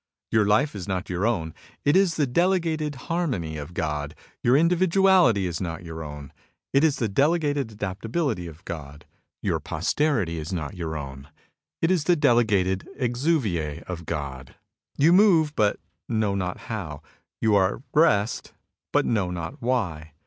" Your Itfe is not your own. It is the delegated harmony of God. Your individuality is not your own. It is the delegated adaptability of God. Your posterity is not your own. It is the delegated exuviae of God. You move, but know not how. You are at rest, but know not why.